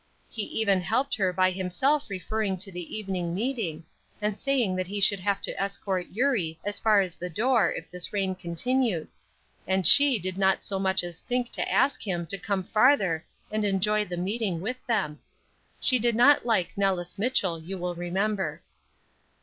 He even helped her by himself referring to the evening meeting, and saying that he should have to escort Eurie as far as the door if this rain continued, and she did not so much as think to ask him to come farther and enjoy the meeting with them. She did not like Nellis Mitchell, you will remember.